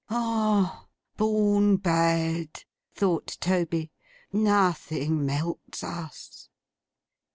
'Ah! Born bad!' thought Toby. 'Nothing melts us.